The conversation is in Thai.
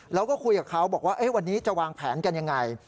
แล้วก็คุยกับเขาบอกว่าวันนี้จะวางแผนกันยังไง